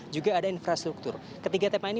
juga ada infrastruktur ketiga tema ini